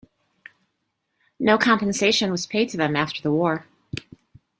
No compensation was paid to them after the war.